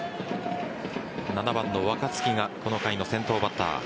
７番の若月がこの回の先頭バッター。